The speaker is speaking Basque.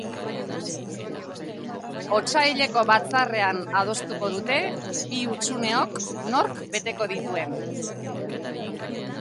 Otsaileko batzarrean adostuko dute bi hutsuneok nork beteko dituen.